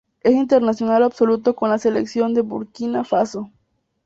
Es internacional absoluto con la selección de Burkina Faso.